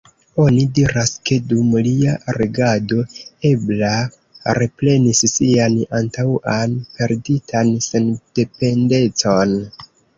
Oni diras ke dum lia regado, Ebla reprenis sian antaŭan perditan sendependecon.